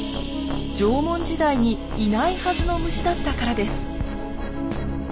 縄文時代にいないはずの虫だったからです。